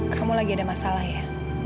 kamu lagi ada masalah ya